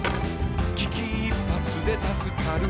「危機一髪で助かる」